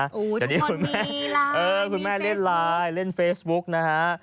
ทุกคนมีไลน์มีเฟซบุ๊คนะฮะคุณแม่เล่นไลน์เล่นเฟซบุ๊คนะฮะ